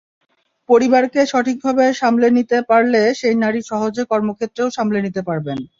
পরিবারকে ঠিকভাবে সামলে নিতে পারলে সেই নারী সহজে কর্মক্ষেত্রও সামলে নিতে পারবেন।